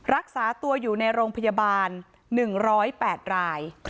รักษาตัวอยู่ในโรงพยาบาล๑๐๘ราย